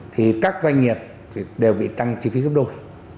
thì các doanh nghiệp đều bị tăng chi phí gấp đôi